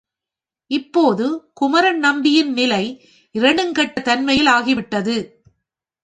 இப்போது குமரன் நம்பியின் நிலை இரண்டுங்கெட்ட தன்மையில் ஆகிவிட்டது.